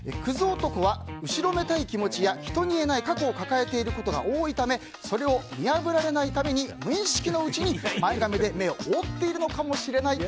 男は後ろめたい気持ちや人に言えない過去を抱えていることが多いためそれを見破られないために無意識のうちに前髪で目を覆っているのかもしれないと。